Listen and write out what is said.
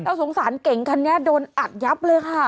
สงสารเก่งคันนี้โดนอัดยับเลยค่ะ